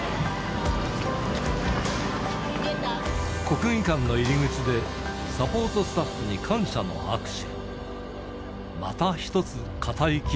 国技館の入り口で、サポートスタッフに感謝の握手。